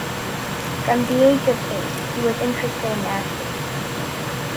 From the age of eight, he was interested in acting.